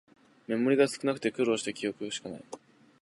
メモリが少なくて苦労した記憶しかない